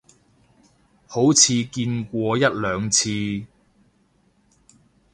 好似見過一兩次